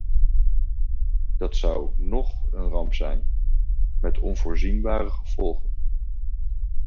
Dat zou nóg een ramp zijn, met onvoorzienbare gevolgen.